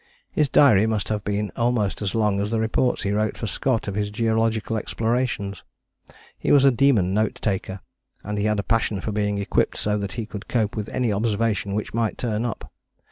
His diary must have been almost as long as the reports he wrote for Scott of his geological explorations. He was a demon note taker, and he had a passion for being equipped so that he could cope with any observation which might turn up.